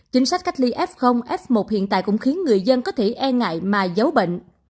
chính sách cách ly f f một hiện tại cũng khiến người dân có thể e ngại mà giấu bệnh